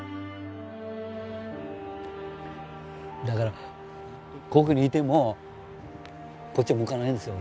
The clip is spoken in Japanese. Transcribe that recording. だからここにいてもこっちは向かないんですよ